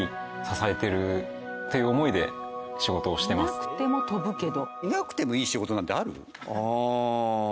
いなくても飛ぶけど。